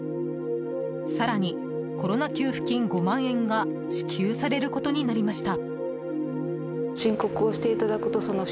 更に、コロナ給付金５万円が支給されることになりました。